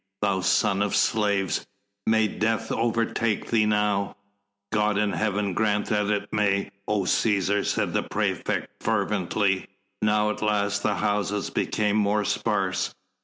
Thou son of slaves, may death overtake thee now ..." "God in heaven grant that it may, O Cæsar," said the praefect fervently. Now at last the houses became more sparse.